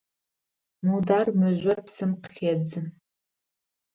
Мудар мыжъор псым къыхедзы.